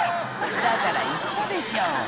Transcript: だから言ったでしょ